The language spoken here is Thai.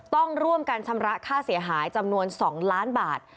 ต้องร่วมกันชำระค่าเสียหายจำนวน๒ล้านบาท